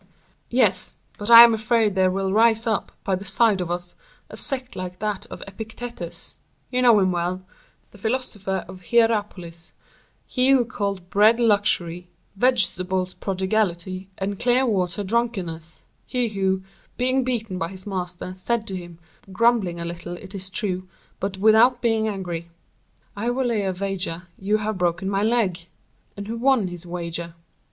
"Yes; but I am afraid there will rise up, by the side of us, a sect like that of Epictetus; you know him well; the philosopher of Hierapolis, he who called bread luxury, vegetables prodigality, and clear water drunkenness; he who, being beaten by his master, said to him, grumbling a little it is true, but without being angry, 'I will lay a wager you have broken my leg!'—and who won his wager."